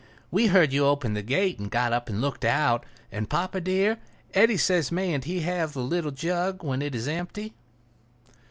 We heard you open the gate and got up and looked out. And, papa dear, Eddy says mayn't he have the little jug when it is empty?"